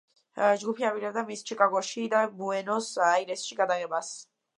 ჯგუფი აპირებდა მის ჩიკაგოში და ბუენოს-აირესში გადაღებას.